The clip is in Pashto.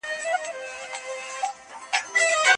ټولني د اقتصادي پرمختيا اهميت درک کړ.